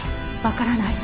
わからない。